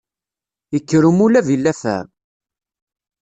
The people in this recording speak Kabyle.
Ikker umulab i llafεa.